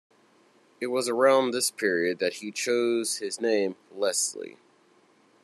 It was around this period that he chose his name, "Leslie".